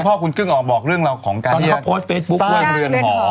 แต่พ่อคุณกึ้งออกบอกเรื่องเราของการที่สร้างเรือนหอ